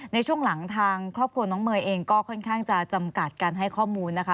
ในช่วงหลังทางครอบครัวน้องเมย์เองก็ค่อนข้างจะจำกัดการให้ข้อมูลนะคะ